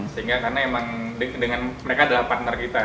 sehingga karena memang mereka adalah partner kita